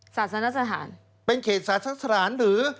ศาสนสถานเป็นเขตศาสสถานหรือ